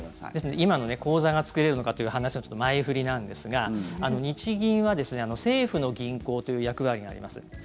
今の口座が作れるのかという話のちょっと前振りなんですが日銀は政府の銀行という役割があります。